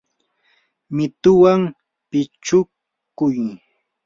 mituwan pichukuy.